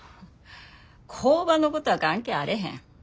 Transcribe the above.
工場のことは関係あれへん。